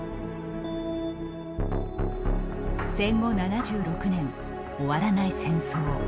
戦後７６年、終わらない戦争。